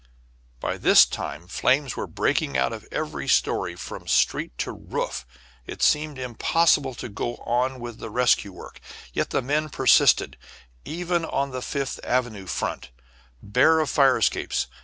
By this time flames were breaking out of every story from street to roof. It seemed impossible to go on with the rescue work; yet the men persisted, even on the Fifth Avenue front, bare of fire escapes.